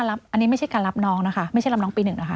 อันนี้ไม่ใช่การรับน้องนะคะไม่ใช่รับน้องปี๑นะคะ